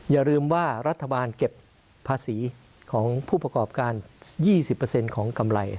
อย่าลืมว่ารัฐบาลเก็บภาษีของผู้ประกอบการ๒๐ของกำไร